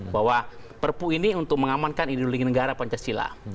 bahwa perpu ini untuk mengamankan hidup lingkungan negara pancasila